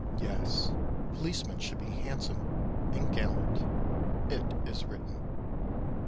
Yes, policemen should be handsome and gallant. It is written.